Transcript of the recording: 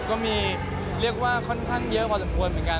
ก็มีเรียกว่าค่อนข้างเยอะพอสมควรเหมือนกัน